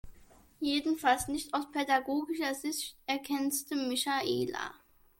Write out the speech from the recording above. Jedenfalls nicht aus pädagogischer Sicht, ergänzte Michaela.